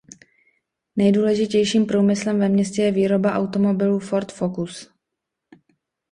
Nejdůležitějším průmyslem ve městě je výroba automobilů Ford Focus.